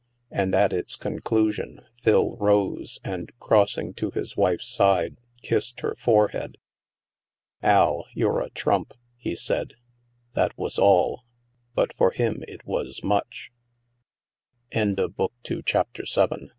And, at its conclusion, Phil rose and crossing to his wife's side, kissed her forehead. "Al, you're a trump," he said. That was all, but for him it was mudL CHA